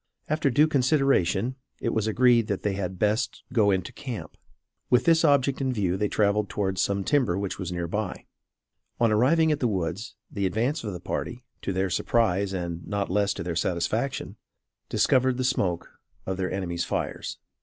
After due consultation, it was agreed that they had best go into camp. With this object in view they traveled towards some timber which was near by. On arriving at the woods, the advance of the party, to their surprise and not less to their satisfaction, discovered the smoke of their enemies' fires.